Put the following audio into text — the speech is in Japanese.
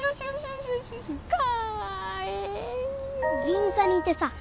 銀座にいてさ。